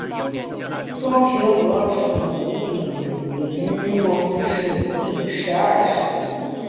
庄学和属毗陵庄氏第十二世。